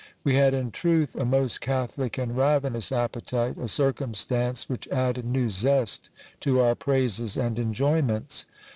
We had in truth a most catholic and ravenous appetite ; a circumstance which added new zest to our praises and enjoyments.